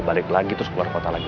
balik lagi terus keluar kota lagi